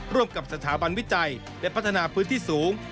ร่วมกับสถาบันวิจัยและพัฒนาพื้นที่สูง